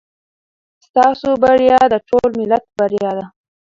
ستاسو بریا د ټول ملت بریا ده.